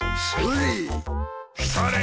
それ！